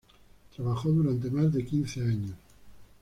Trabajó durante más de quince años.